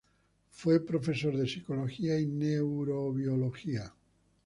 Fue profesor de psicología y neurobiología.